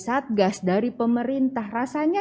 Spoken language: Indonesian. satgas dari pemerintah rasanya